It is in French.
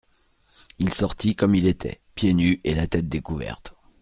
Il sortit comme il était, pieds nus et la tête découverte.